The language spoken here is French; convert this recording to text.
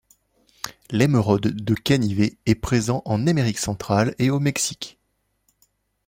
L'Émeraude de Canivet est présent en Amérique centrale et au Mexique.